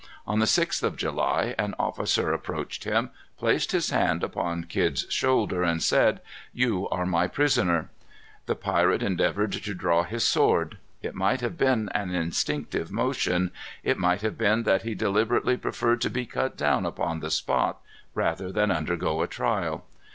On the sixth of July, an officer approached him, placed his hand upon Kidd's shoulder, and said, "You are my prisoner." The pirate endeavored to draw his sword. It might have been an instinctive motion. It might have been that he deliberately preferred to be cut down upon the spot rather than undergo a trial.